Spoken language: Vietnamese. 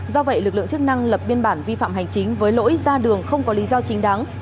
do vậy lực lượng chức năng lập biên bản vi phạm hành chính với lỗi ra đường không có lý do chính đáng